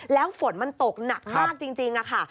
แล้วฝนมันตกหนักมากจริงค่ะ